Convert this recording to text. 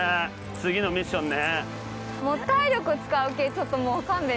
次のミッションね。